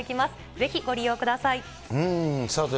ぜひ、ご利用ください。